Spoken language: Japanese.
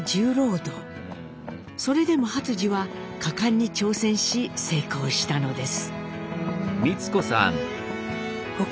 それでも初次は果敢に挑戦し成功したのです。